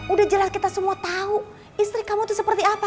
udah jelas kita semua tahu istri kamu itu seperti apa